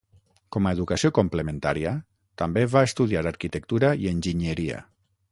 Com a educació complementària, també va estudiar arquitectura i enginyeria.